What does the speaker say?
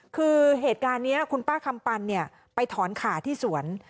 คือเหตุการณ์นี้คุณป้าคำปันไปถอนขาที่สวน